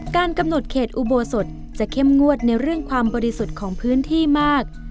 กำหนดเขตอุโบสถจะเข้มงวดในเรื่องความบริสุทธิ์ของพื้นที่มาก